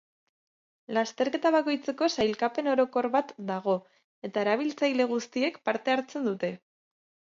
Lasterketa bakoitzeko sailkapen orokor bat dago, eta erabiltzaile guztiek parte hartzen dute.